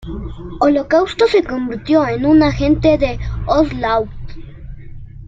Holocausto se convirtió en un agente de Onslaught.